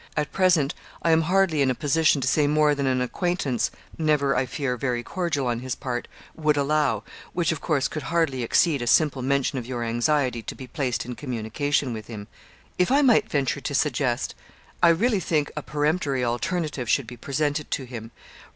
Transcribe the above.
At present I am hardly in a position to say more than an acquaintance never, I fear, very cordial on his part would allow; which, of course, could hardly exceed a simple mention of your anxiety to be placed in communication with him. 'If I might venture to suggest, I really think a peremptory alternative should be presented to him.